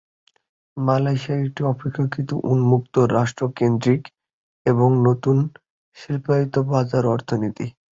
Malaysia একটি অপেক্ষাকৃত উন্মুক্ত রাষ্ট্র-কেন্দ্রিক এবং নতুন শিল্পায়িত বাজার অর্থনীতি।